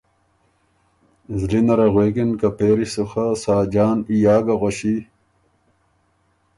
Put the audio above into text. زلی نره غوېکِن که پېری سو خه ساجان یا ګه غوَݭی